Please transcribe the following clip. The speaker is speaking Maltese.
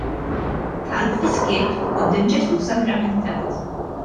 Talb fis-skiet quddiem Ġesù sagramentat.